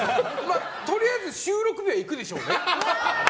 とりあえず収録日は行くでしょうね。